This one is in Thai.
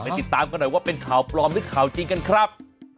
ติดตามกันหน่อยว่าเป็นข่าวปลอมหรือข่าวจริงกันครับ